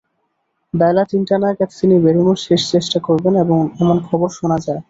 বেলা তিনটা নাগাদ তিনি বেরোনোর শেষ চেষ্টা করবেন এমন খবর শোনা যায়।